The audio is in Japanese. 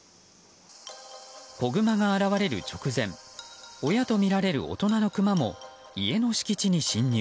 子グマが現れる直前親とみられる大人のクマも家の敷地に侵入。